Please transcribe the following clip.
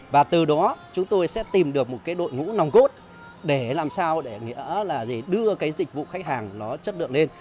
và từ đó chúng tôi sẽ tìm được một đội ngũ nòng gốt để làm sao để đưa dịch vụ khách hàng chất lượng lên